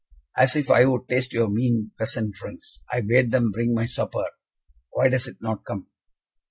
"As if I would taste your mean peasant drinks! I bade them bring my supper why does it not come?"